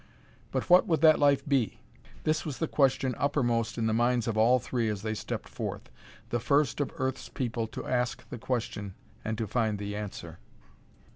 But what would that life be? This was the question uppermost in the minds of all three as they stepped forth the first of Earth's people to ask the question and to find the answer.